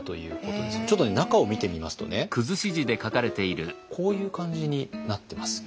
ちょっとね中を見てみますとねこういう感じになってます。